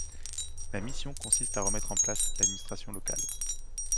La mission consiste à remettre en place l'administration locale.